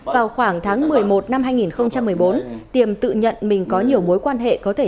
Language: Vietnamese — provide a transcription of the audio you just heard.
vào khoảng tháng một mươi một năm hai nghìn một mươi bốn tiềm tự nhận mình có nhiều mối quan hệ có thể